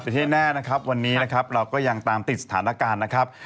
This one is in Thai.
แต่ที่แน่นะครับวันนี้นะครับเราก็ยังตามติดสถานการณ์นะครับ